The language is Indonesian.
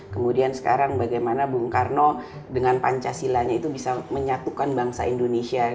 kemudian sekarang bagaimana bung karno dengan pancasilanya itu bisa menyatukan bangsa indonesia